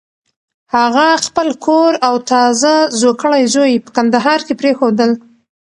هغه خپل کور او تازه زوکړی زوی په کندهار کې پرېښودل.